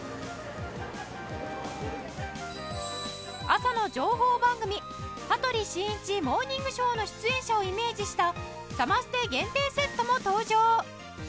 朝の情報番組『羽鳥慎一モーニングショー』の出演者をイメージしたサマステ限定セットも登場